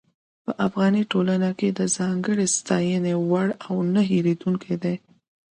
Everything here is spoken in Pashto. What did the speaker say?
په افغاني ټولنه کې د ځانګړې ستاينې وړ او نۀ هېرېدونکي دي.